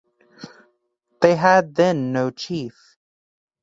They had then no chief.